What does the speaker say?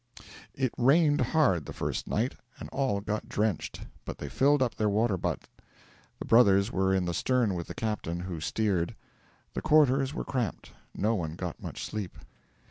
It rained hard the first night and all got drenched, but they filled up their water butt. The brothers were in the stern with the captain, who steered. The quarters were cramped; no one got much sleep.